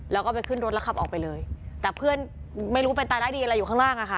แล้วก็ไปขึ้นรถแล้วขับออกไปเลยแต่เพื่อนไม่รู้เป็นตายร้ายดีอะไรอยู่ข้างล่างอะค่ะ